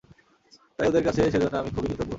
তাই ওদের কাছে সেজন্য আমি খুবই কৃতজ্ঞ!